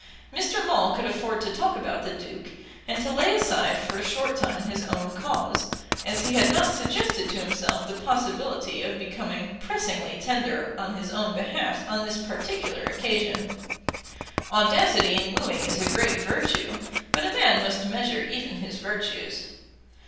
Mr. Maule could afford to talk about the Duke, and to lay aside for a short time his own cause, as he had not suggested to himself the possibility of becoming pressingly tender on his own behalf on this particular occasion. Audacity in wooing is a great virtue, but a man must measure even his virtues.